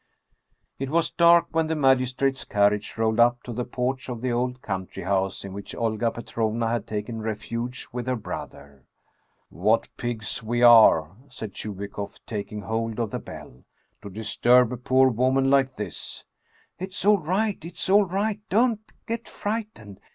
It was dark when the magistrate's carriage rolled up to the porch of the old country house in which Olga Petrovna had taken refuge with her brother. "What pigs we are," said Chubikoff, taking hold of the bell, " to disturb a poor woman like this !"" It's all right ! It's all right ! Don't get frightened